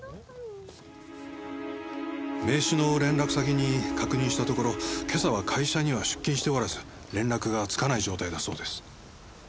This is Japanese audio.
名刺の連絡先に確認したところ今朝は会社には出勤しておらず連絡がつかない状態だそうです。